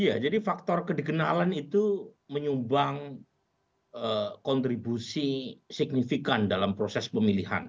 iya jadi faktor kedikenalan itu menyumbang kontribusi signifikan dalam proses pemilihan